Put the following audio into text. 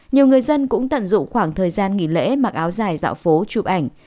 nhiều người dân cũng tận dụng khoảng thời gian nghỉ lễ mặc áo dài dạo phố chụp ảnh